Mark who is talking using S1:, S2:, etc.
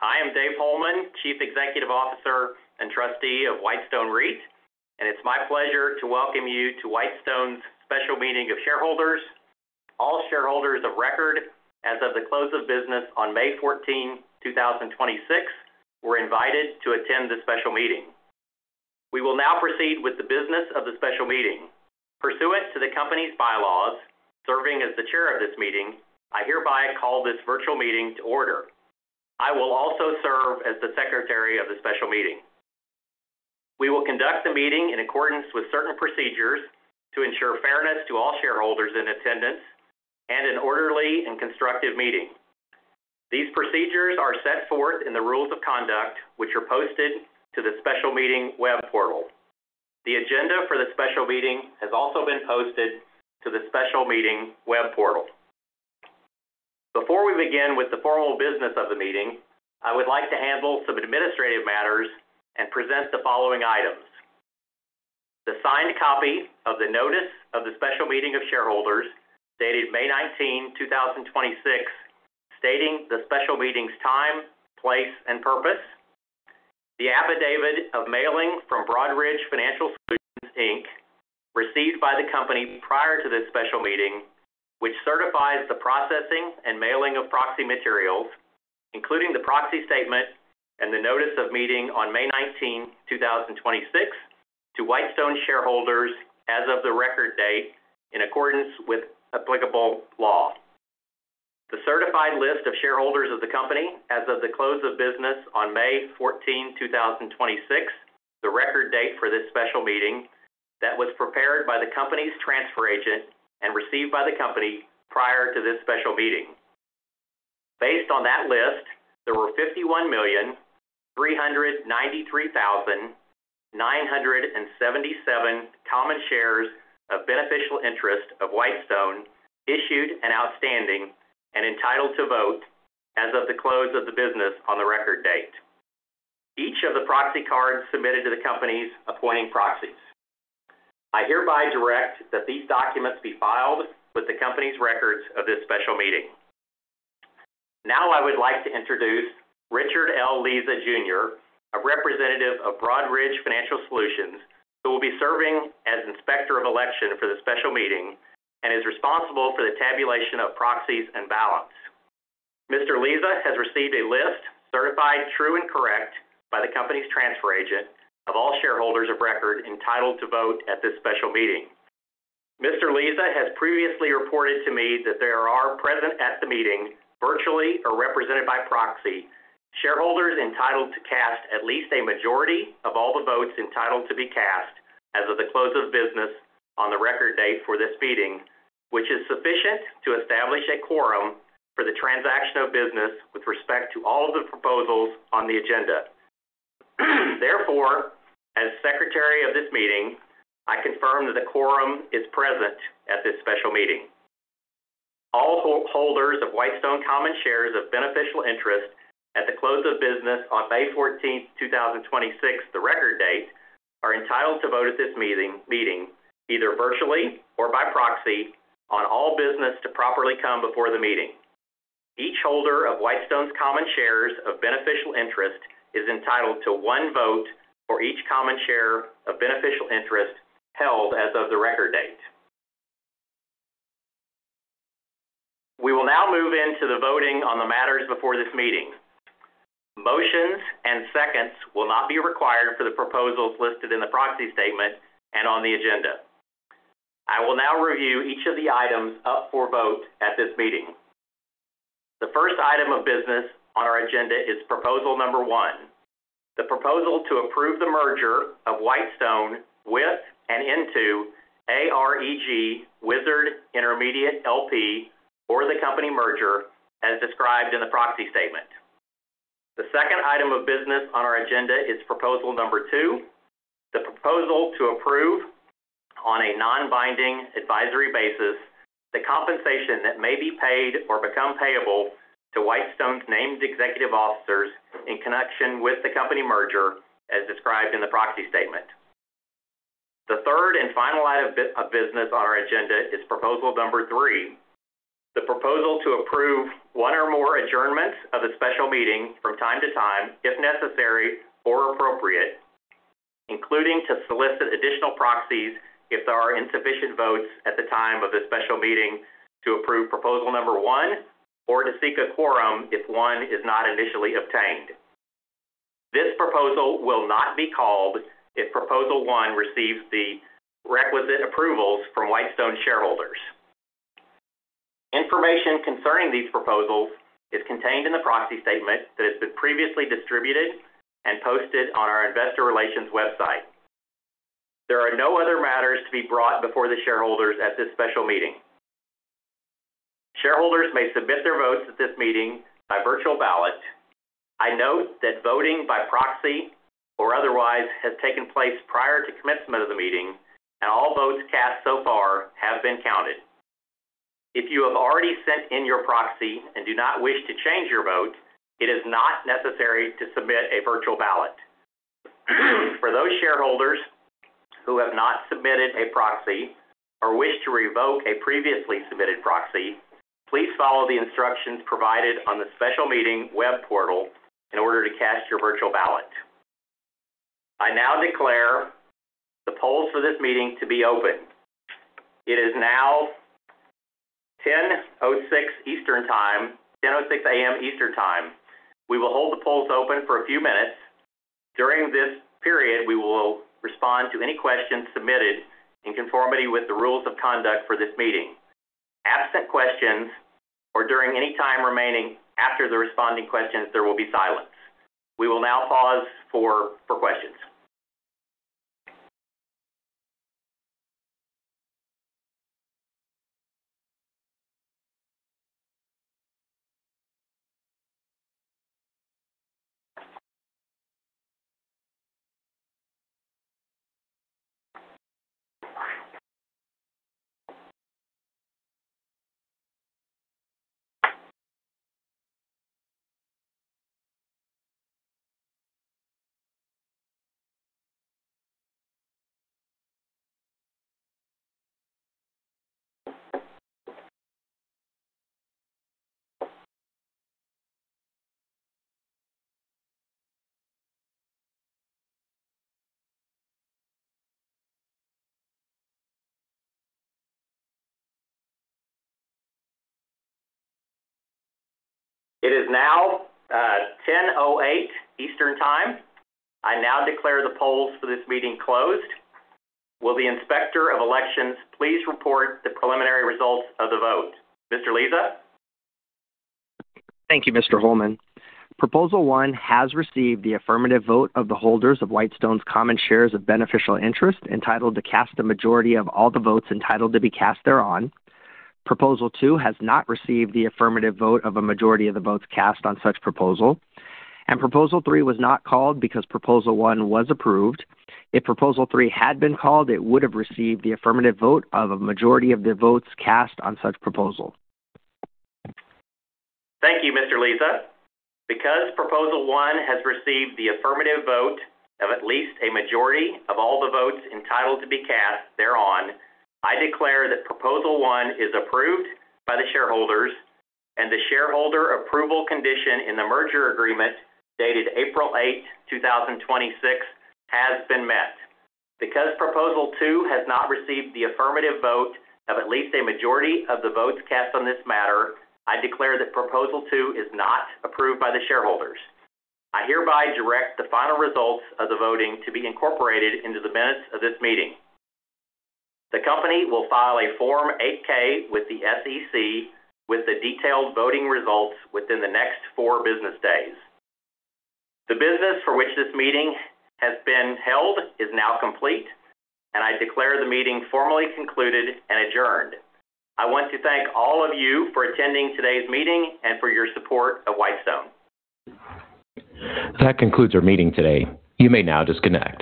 S1: Good morning. I am David Holeman, Chief Executive Officer and Trustee of Whitestone REIT, and it's my pleasure to welcome you to Whitestone's Special Meeting of Shareholders. All shareholders of record as of the close of business on May 14, 2026, were invited to attend this special meeting. We will now proceed with the business of the special meeting. Pursuant to the company's bylaws, serving as the chair of this meeting, I hereby call this virtual meeting to order. I will also serve as the secretary of the special meeting. We will conduct the meeting in accordance with certain procedures to ensure fairness to all shareholders in attendance and an orderly and constructive meeting. These procedures are set forth in the rules of conduct, which are posted to the special meeting web portal. The agenda for the special meeting has also been posted to the special meeting web portal. Before we begin with the formal business of the meeting, I would like to handle some administrative matters and present the following items. The signed copy of the notice of the special meeting of shareholders dated May 19, 2026, stating the special meeting's time, place, and purpose. The affidavit of mailing from Broadridge Financial Solutions, Inc., received by the company prior to this special meeting, which certifies the processing and mailing of proxy materials, including the proxy statement and the notice of meeting on May 19, 2026, to Whitestone shareholders as of the record date in accordance with applicable law. The certified list of shareholders of the company as of the close of business on May 14, 2026, the record date for this special meeting that was prepared by the company's transfer agent and received by the company prior to this special meeting. Based on that list, there were 51,393,977 common shares of beneficial interest of Whitestone issued and outstanding and entitled to vote as of the close of the business on the record date. Each of the proxy cards submitted to the company's appointing proxies. I hereby direct that these documents be filed with the company's records of this special meeting. I would like to introduce Richard L. Leza Jr., a Representative of Broadridge Financial Solutions, who will be serving as Inspector of Election for the special meeting and is responsible for the tabulation of proxies and ballots. Mr. Leza has received a list certified true and correct by the company's transfer agent of all shareholders of record entitled to vote at this special meeting. Mr. Leza has previously reported to me that there are present at the meeting, virtually or represented by proxy, shareholders entitled to cast at least a majority of all the votes entitled to be cast as of the close of business on the record date for this meeting, which is sufficient to establish a quorum for the transaction of business with respect to all of the proposals on the agenda. As secretary of this meeting, I confirm that a quorum is present at this special meeting. All holders of Whitestone common shares of beneficial interest at the close of business on May 14, 2026, the record date, are entitled to vote at this meeting, either virtually or by proxy, on all business to properly come before the meeting. Each holder of Whitestone's common shares of beneficial interest is entitled to one vote for each common share of beneficial interest held as of the record date. We will now move into the voting on the matters before this meeting. Motions and seconds will not be required for the proposals listed in the proxy statement and on the agenda. I will now review each of the items up for vote at this meeting. The first item of business on our agenda is Proposal one, the proposal to approve the merger of Whitestone with and into AREG Wizard Intermediate LP, or the company merger, as described in the proxy statement. The second item of business on our agenda is Proposal two, the proposal to approve on a non-binding advisory basis the compensation that may be paid or become payable to Whitestone's named executive officers in connection with the company merger as described in the proxy statement. The third and final item of business on our agenda is Proposal three, the proposal to approve one or more adjournments of the special meeting from time to time, if necessary or appropriate, including to solicit additional proxies if there are insufficient votes at the time of the special meeting to approve Proposal one, or to seek a quorum if one is not initially obtained. This proposal will not be called if Proposal one receives the requisite approvals from Whitestone shareholders. Information concerning these proposals is contained in the proxy statement that has been previously distributed and posted on our investor relations website. There are no other matters to be brought before the shareholders at this special meeting. Shareholders may submit their votes at this meeting by virtual ballot. I note that voting by proxy or otherwise has taken place prior to commencement of the meeting, and all votes cast so far have been counted. If you have already sent in your proxy and do not wish to change your vote, it is not necessary to submit a virtual ballot. For those shareholders who have not submitted a proxy or wish to revoke a previously submitted proxy, please follow the instructions provided on the special meeting web portal in order to cast your virtual ballot. I now declare the polls for this meeting to be open. It is now 10:06 A.M. Eastern Time. We will hold the polls open for a few minutes. During this period, we will respond to any questions submitted in conformity with the rules of conduct for this meeting. Absent questions, or during any time remaining after the responding questions, there will be silence. We will now pause for questions. It is now 10:08 A.M. Eastern Time. I now declare the polls for this meeting closed. Will the Inspector of Election please report the preliminary results of the vote? Mr. Leza?
S2: Thank you, Mr. Holeman. Proposal one has received the affirmative vote of the holders of Whitestone's common shares of beneficial interest entitled to cast a majority of all the votes entitled to be cast thereon. Proposal two has not received the affirmative vote of a majority of the votes cast on such proposal. Proposal three was not called because Proposal one was approved. If Proposal three had been called, it would have received the affirmative vote of a majority of the votes cast on such proposal.
S1: Thank you, Mr. Leza. Because Proposal one has received the affirmative vote of at least a majority of all the votes entitled to be cast thereon, I declare that Proposal one is approved by the shareholders, and the shareholder approval condition in the merger agreement dated April 8, 2026 has been met. Because Proposal two has not received the affirmative vote of at least a majority of the votes cast on this matter, I declare that Proposal two is not approved by the shareholders. I hereby direct the final results of the voting to be incorporated into the minutes of this meeting. The company will file a Form 8-K with the SEC with the detailed voting results within the next four business days. The business for which this meeting has been held is now complete. I declare the meeting formally concluded and adjourned. I want to thank all of you for attending today's meeting and for your support of Whitestone.
S3: That concludes our meeting today. You may now disconnect.